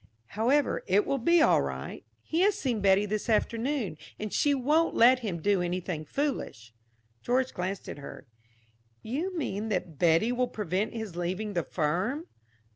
"However, it will be all right. He has seen Betty this afternoon, and she won't let him do anything foolish." George glanced at her. "You mean that Betty will prevent his leaving the firm?"